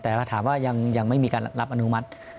แต่ถ้าถามว่ายังไม่มีการรับอนุมัติ